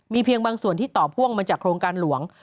เพียงบางส่วนที่ต่อพ่วงมาจากโครงการหลวง